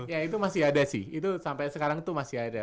ya itu masih ada sih itu sampai sekarang itu masih ada